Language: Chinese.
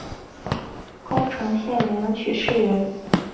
宫城县名取市人。